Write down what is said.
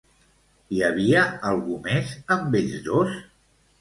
Hi havia algú més amb ells dos?